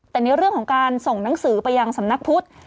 แต่ในเรื่องของการส่งหนังสือไปยังสำนักพุทธ